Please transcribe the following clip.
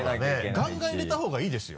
ガンガン入れた方がいいですよ。